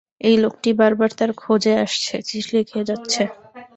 এই লোকটি বারবার তাঁর খোঁজে আসছে, চিঠি লিখে যাচ্ছে।